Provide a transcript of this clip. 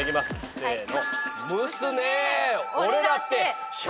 せの。